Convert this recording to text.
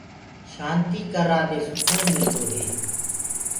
شآنتيٚ ڪررآ دي سڪون ملدوئي